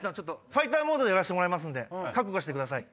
ファイターモードでやらしてもらいます覚悟してください。